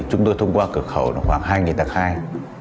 chúng tôi thông qua cửa khẩu khoảng hai tạc khai